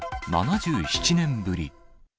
７７年ぶり。